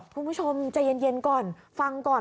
คุณผู้ชมใจเย็นก่อนฟังก่อน